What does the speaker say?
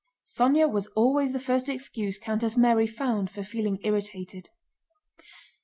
Sónya was always the first excuse Countess Mary found for feeling irritated.